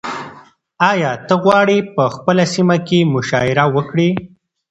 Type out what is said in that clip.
ایا ته غواړې په خپله سیمه کې مشاعره وکړې؟